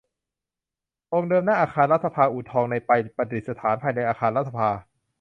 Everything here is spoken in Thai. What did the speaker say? องค์เดิมหน้าอาคารรัฐสภาอู่ทองในไปประดิษฐานภายในอาคารรัฐสภา